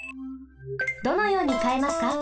どのようにかえますか？